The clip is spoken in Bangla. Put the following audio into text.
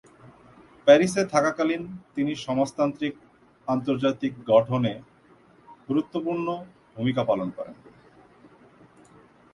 প্যারিসে থাকাকালীন তিনি সমাজতান্ত্রিক আন্তর্জাতিক গঠনে গুরুত্বপূর্ণ ভূমিকা পালন করেন।